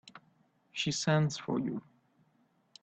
She sends for you.